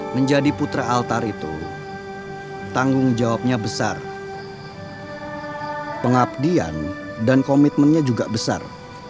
menjadi putra altar itu tanggung jawabnya besar pengabdian dan komitmennya juga besar